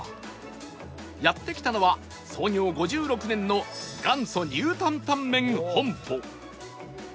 やって来たのは創業５６年の元祖ニュータンタンメン本舗